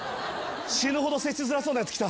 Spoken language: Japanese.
死ぬほど接しづらそうなやつ来た。